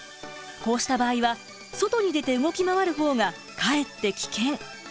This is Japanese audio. こうした場合は外に出て動き回るほうがかえって危険。